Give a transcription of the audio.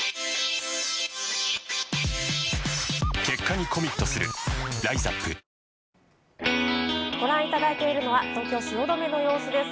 ニトリご覧いただいているのは東京・汐留の様子です。